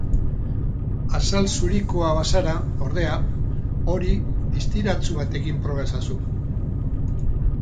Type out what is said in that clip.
Azal zurikoa bazara, ordea, hori distiratsu batekin proba ezazu.